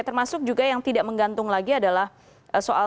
termasuk juga yang tidak menggantung lagi adalah soal